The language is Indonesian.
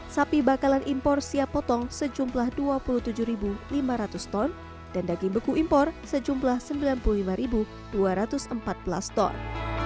sapi bakalan impor siap potong sejumlah dua puluh tujuh lima ratus ton dan daging beku impor sejumlah sembilan puluh lima dua ratus empat belas ton